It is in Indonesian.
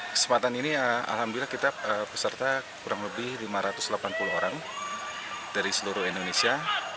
kesempatan ini alhamdulillah kita peserta kurang lebih lima ratus delapan puluh orang dari seluruh indonesia